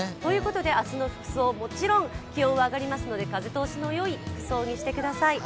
明日の服装、もちろん気温が上がりますので風通しのいい服装にしてください。